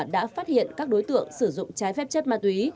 đã phát hiện các đối tượng sử dụng trái phép chất ma túy